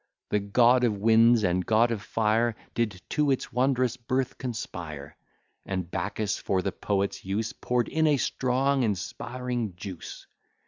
The god of winds and god of fire Did to its wondrous birth conspire; And Bacchus for the poet's use Pour'd in a strong inspiring juice.